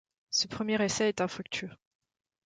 Ce premier essai est infructueux.